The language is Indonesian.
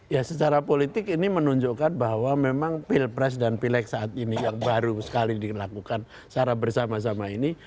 ya secara politik ini menunjukkan bahwa memang pilpres dan pileg saat ini yang baru sekali dilakukan secara bersama sama ini